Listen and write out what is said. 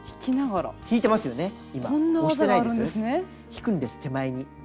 引くんです手前に。